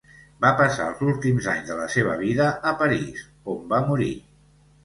Va passar els últims anys de la seva vida a París, on va morir.